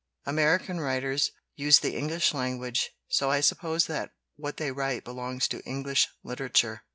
"American writers use the English language, so I suppose that what they write belongs to English literature.